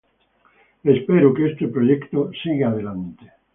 Espero que este proyecto siga adelante